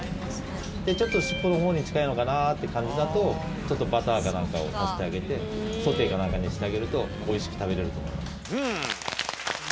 でちょっと尻尾の方に近いのかなって感じだとバターかなんかを足してあげてソテーかなんかにしてあげると美味しく食べられると思います。